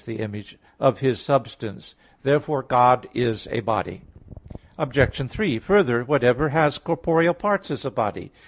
the image, "of His substance" (Heb. 1:3). Therefore God is a body. Obj. 3: Further, whatever has corporeal parts is a body.